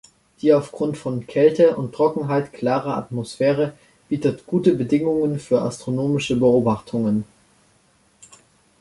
Die aufgrund von Kälte und Trockenheit klare Atmosphäre bietet gute Bedingungen für astronomische Beobachtungen.